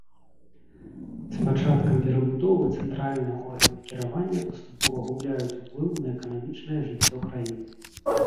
З пачаткам перабудовы цэнтральныя органы кіравання паступова губляюць уплыў на эканамічнае жыццё краіны.